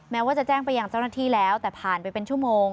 แม้ว่าจะแจ้งไปยังเจ้าหน้าที่แล้วแต่ผ่านไปเป็นชั่วโมง